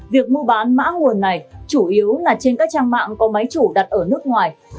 việc mua bán mã nguồn này chủ yếu là trên các trang mạng có máy chủ đặt ở nước ngoài